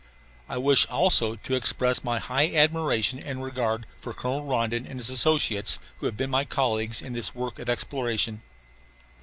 I wish also to express my high admiration and regard for Colonel Rondon and his associates who have been my colleagues in this work of exploration.